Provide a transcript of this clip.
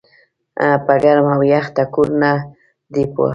پۀ ګرم او يخ ټکور نۀ دي پوهه